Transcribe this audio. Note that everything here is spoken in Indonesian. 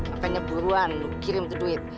apanya buruan lu kirim tuh duit